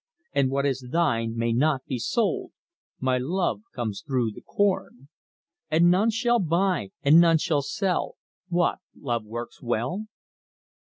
And what is thine may not be sold, (My love comes through the corn!); And none shall buy And none shall sell What Love works well?"